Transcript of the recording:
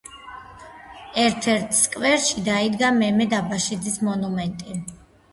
ერთ-ერთ სკვერში დაიდგა მემედ აბაშიძის მონუმენტი.